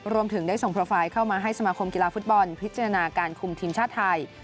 รวมถึงได้ส่งโปรไฟล์เข้ามาให้สมาคมกีฬาฟุตบอลพิจารณาการคุมทีมชาติไทย